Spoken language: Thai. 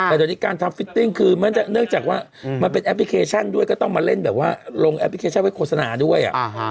แต่เดี๋ยวนี้การทำฟิตติ้งคือเนื่องจากว่ามันเป็นแอปพลิเคชันด้วยก็ต้องมาเล่นแบบว่าลงแอปพลิเคชันไว้โฆษณาด้วย